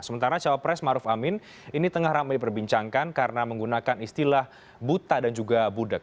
sementara cawapres maruf amin ini tengah ramai diperbincangkan karena menggunakan istilah buta dan juga budeg